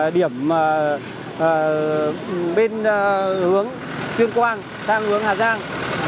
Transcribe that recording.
điểm bên hướng tuyên quang sang hướng hà giang